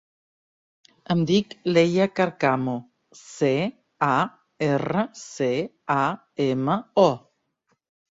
Em dic Leia Carcamo: ce, a, erra, ce, a, ema, o.